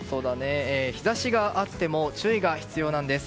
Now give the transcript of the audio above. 日差しがあっても注意が必要なんです。